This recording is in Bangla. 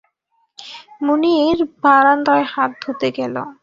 মুনির বারান্দায় হাত ধুতে গেল।